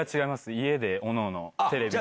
家でおのおのテレビ見てて。